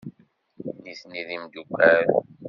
Nitni d imeddukal.